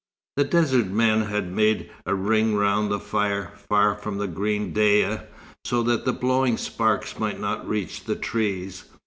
The desert men had made a ring round the fire, far from the green daya, so that the blowing sparks might not reach the trees.